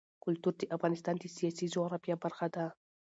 کلتور د افغانستان د سیاسي جغرافیه برخه ده.